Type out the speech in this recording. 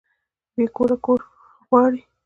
بې کوره کور غواړي